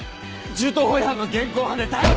銃刀法違反の現行犯で逮捕。